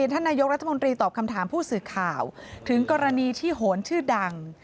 ท่านนายกรัฐมนตรีตอบคำถามผู้สื่อข่าวถึงกรณีที่โหนชื่อดัง